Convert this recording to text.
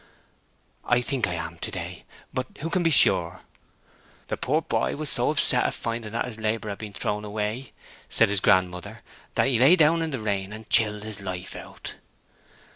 'I think I am, to day. But who can be sure?' 'The poor boy was so upset at finding that his labour had been thrown away,' said his grandmother, 'that he lay down in the rain, and chilled his life out.'